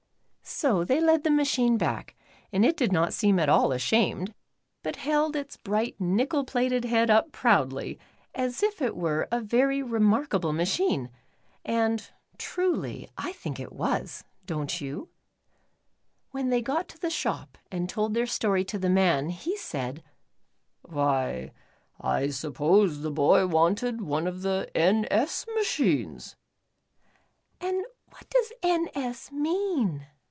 So they led the machine back, and it did not 64 The N. S. Bicycle. seem at all ashamed, but held its bright nickel plated head up proudly, as if it were a very remark able machine, and truly I think it was, don't you? When they got to the shop and told their story to the man, he said: "Why I supposed the boy wanted one of the N. S. machines." *'And what does ' N. S.' mean?"